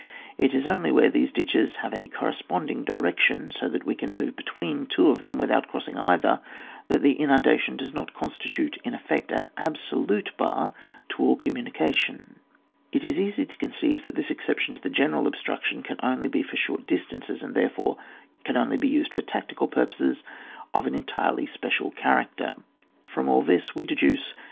It is only where these ditches have a cor responding direction^ so that we can move between two of them without crossing either, that the inundation does not con* Btitute in effect an absolute bar to all communication. It is easy to conceive that this exception to the general ob struction can only be for short distances, and, therefore, can only be used for tac tical purposes of an entirely special cha racter. From all this we deduce— 1.